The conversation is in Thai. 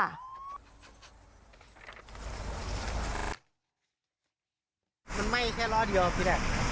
มันไหม้แค่ล้อเดียวพี่แรก